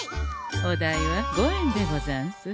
お代は５円でござんす。